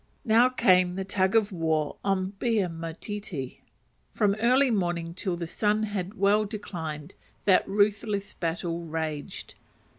Now came the tug of war on "bare Motiti." From early morning till the sun had well declined, that ruthless battle raged.